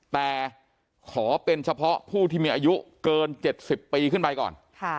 แต่ขอเป็นเฉพาะผู้ที่มีอายุเกิน๗๐ปีขึ้นไปก่อน